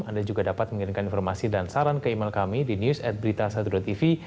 anda juga dapat mengirimkan informasi dan saran ke email kami di news ad berita satu tv